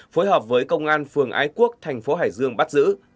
phối hợp với công an phường ái quốc thành phố hải dương bắt giữ